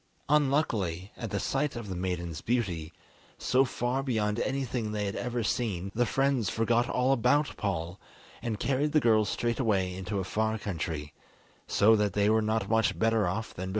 Unluckily, at the sight of the maidens' beauty, so far beyond anything they had ever seen, the friends forgot all about Paul, and carried the girls straight away into a far country, so that they were not much better off than before.